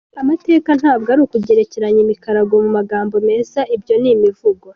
Amateka ntabwo ari ukugerekeranya imikarago mu magambo meza ibyo n’imivugo.